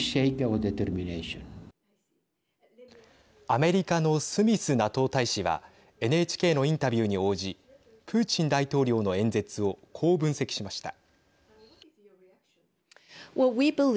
アメリカのスミスＮＡＴＯ大使はＮＨＫのインタビューに応じプーチン大統領の演説をこう分析しました。